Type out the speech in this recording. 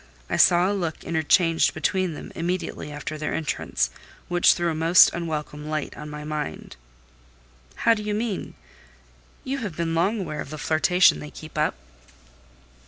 I saw a look interchanged between them immediately after their entrance, which threw a most unwelcome light on my mind." "How do you mean? You have been long aware of the flirtation they keep up?"